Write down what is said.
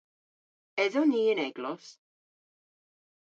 Eson ni y'n eglos?